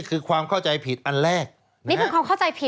สวัสดีค่ะต้อนรับคุณบุษฎี